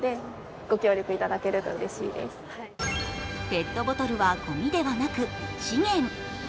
ペットボトルはごみではなく資源。